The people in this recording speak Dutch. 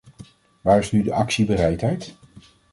Waar is nu de actiebereidheid?